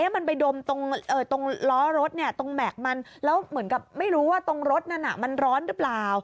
มันไปดมตรงร้อรถตรงแหมกมันแล้วไม่รู้ว่าตรงรถนั้นมันร้อนรึเปล่า